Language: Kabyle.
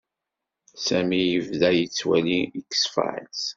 Sami yebda yettwali X-Files.